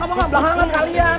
apa apa belakangan sekalian